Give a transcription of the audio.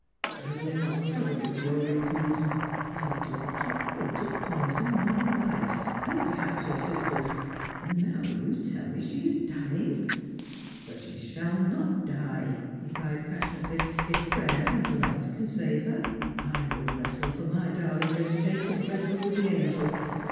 " I will not trouble you for your reasons. You did what you could to poison my life, and perhaps your sister's. And now you tell me she is dying. But she shall not die," he cried passionately, " if prayer aud love can save her. I will wrestle for my darling, as Jacob wrestled with the angel.